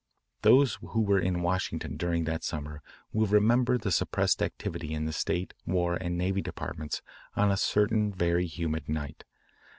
Those who were in Washington during that summer will remember the suppressed activity in the State, War, and Navy Departments on a certain very humid night.